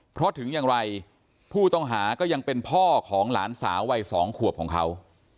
เพราะถึงอย่างไรผู้ต้องหาก็ยังเป็นพ่อของหลานสาววัย๒ขวบของเขา